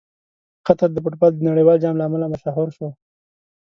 قطر د فټبال د نړیوال جام له امله مشهور شو.